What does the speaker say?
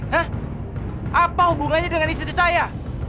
nah apa hubungannya dengan istri saya